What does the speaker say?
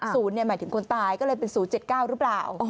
ศูนย์หมายถึงคนตายก็เลยเป็นศูนย์๗๙หรือเปล่า